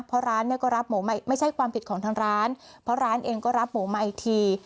เพราะร้านเนี่ยก็รับหมูไม่ใช่ความผิดของทางร้านเพราะร้านเองก็รับหมูมาอีกที